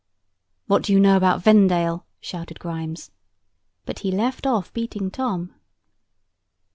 "What do you know about Vendale?" shouted Grimes; but he left off beating Tom.